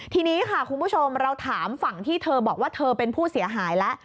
ทีนี้ค่ะคุณผู้ชมเราถามฝั่งที่เธอบอกว่าเธอเป็นผู้เสียหายแล้ว